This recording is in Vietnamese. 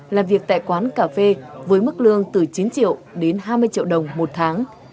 làm việc tại quán cà phê với mức lương từ chín triệu đến hai mươi triệu đồng một tháng